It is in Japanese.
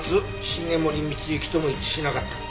繁森光之とも一致しなかった。